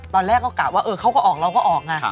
ตอนแรกโอกาสว่าเออเขาก็ออกเราก็ออกนะ